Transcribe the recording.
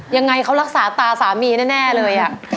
ยังไงเขารักษาตาสามีแน่เลย